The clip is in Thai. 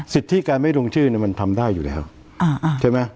สิทธิการไม่ลงชื่อมันทำได้อยู่แล้วใช่ไหม